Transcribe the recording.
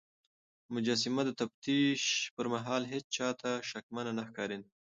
مجسمه د تفتيش پر مهال هيڅ چا ته شکمنه نه ښکارېده.